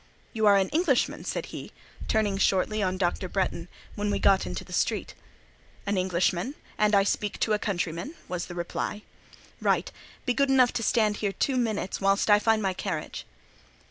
"You are an Englishman!" said he, turning shortly on Dr. Bretton, when we got into the street. "An Englishman. And I speak to a countryman?" was the reply. "Right. Be good enough to stand here two minutes, whilst I find my carriage."